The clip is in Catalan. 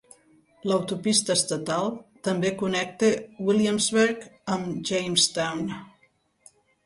L'autopista estatal també connecta Williamsburg amb Jamestown.